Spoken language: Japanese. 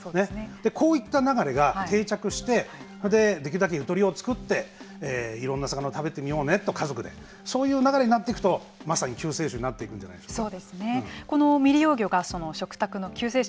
こういった流れが定着してできるだけゆとりを作っていろんな魚を食べてみようねと家族でそういう流れになっていくとまさに救世主になっていくんじゃないですか。